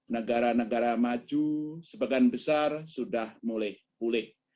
negara negara maju sebagian besar sudah mulai pulih